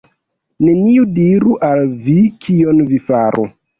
Neniu diru al vi, kion vi faru.